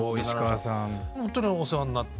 ほんとにお世話になって。